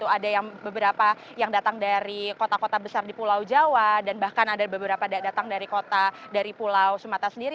ada yang beberapa yang datang dari kota kota besar di pulau jawa dan bahkan ada beberapa datang dari kota dari pulau sumatera sendiri